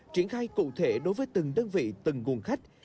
triển khai cụ thể đối với từng đơn vị từng nguồn khách